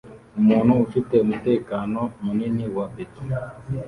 Umuntu afite umutekano munini wa beto